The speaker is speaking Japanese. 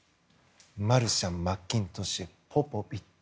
マルシャン、マッキントッシュポポビッチ。